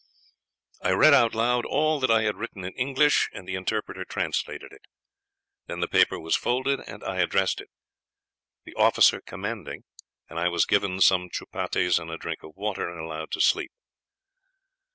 I read out loud all that I had written in English, and the interpreter translated it. Then the paper was folded and I addressed it, 'The Officer Commanding,' and I was given some chupattis and a drink of water, and allowed to sleep.